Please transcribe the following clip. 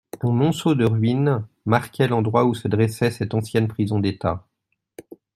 Un monceau de ruines marquait l'endroit où se dressait celle ancienne prison d'état.